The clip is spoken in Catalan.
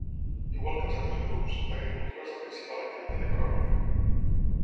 Igual que els altres grups, l'agricultura és la principal activitat econòmica.